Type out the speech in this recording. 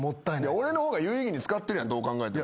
俺の方が有意義に使ってるやんどう考えても。